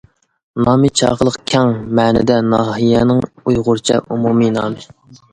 نامى چاقىلىق كەڭ مەنىدە ناھىيەنىڭ ئۇيغۇرچە ئومۇمىي نامى.